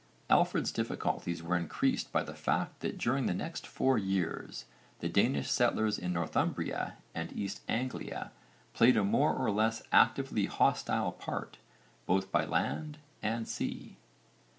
Alfred's difficulties were increased by the fact that during the next four years the Danish settlers in Northumbria and East Anglia played a more or less actively hostile part, both by land and sea.